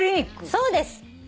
そうです。